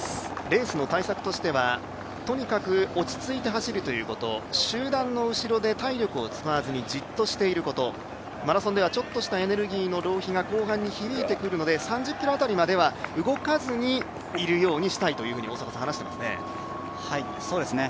レースの対策としてはとにかく落ち着いて走るということ集団の後ろで体力を使わずにじっとしていることマラソンではちょっとしたエネルギーの浪費が後半に響いてくるので３０ｋｍ辺りまでは動かずにいるようにしたいというふうに話していますね。